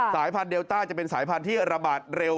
สายพันธุเดลต้าจะเป็นสายพันธุ์ที่ระบาดเร็ว